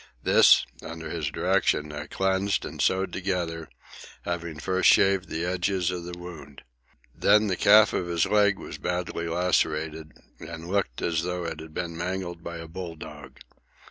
This, under his direction, I cleansed and sewed together, having first shaved the edges of the wound. Then the calf of his leg was badly lacerated and looked as though it had been mangled by a bulldog.